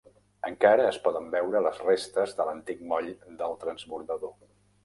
Encara es poden veure les restes de l'antic moll del transbordador.